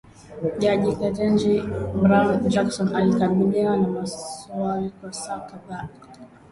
jaji Ketanji Brown Jackson alikabiliwa na maswali kwa saa kadhaa